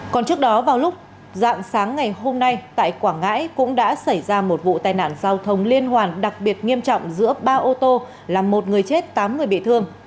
còn trước đó vào lúc dạng sáng ngày hôm nay tại quảng ngãi cũng đã xảy ra một vụ tai nạn giao thông liên hoàn đặc biệt nghiêm trọng giữa ba ô tô làm một người chết tám người bị thương